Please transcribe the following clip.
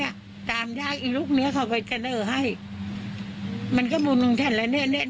ฟังเสียงอาม่าจ้ะ